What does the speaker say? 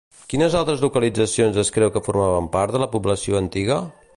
Quines altres localitzacions es creu que formaven part de la població antiga?